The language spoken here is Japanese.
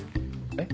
えっ？